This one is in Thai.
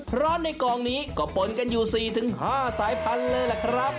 เพราะในกองนี้ก็ปนกันอยู่๔๕สายพันธุ์เลยล่ะครับ